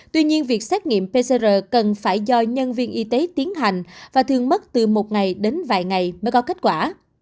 tuy nhiên việc xét nghiệm pcr cần phải do nhân viên y tế tiến hành và thường mất từ một ngày đến vài ngày mới có kết quả